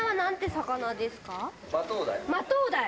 マトウダイ。